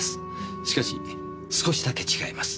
しかし少しだけ違います。